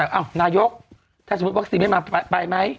อ้าวนายกถ้าสมมุติวัคซีนไม่มาไปไหม